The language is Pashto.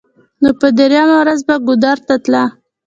نو په درېمه ورځ به ګودر ته تله.